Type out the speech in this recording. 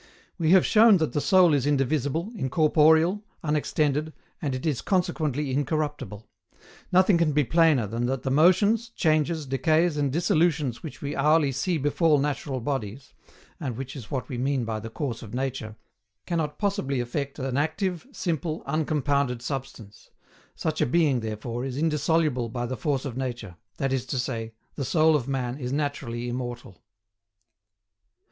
We have shown that the soul is indivisible, incorporeal, unextended, and it is consequently incorruptible. Nothing can be plainer than that the motions, changes, decays, and dissolutions which we hourly see befall natural bodies (and which is what we mean by the course of nature) cannot possibly affect an active, simple, uncompounded substance; such a being therefore is indissoluble by the force of nature; that is to say, "the soul of man is naturally immortal."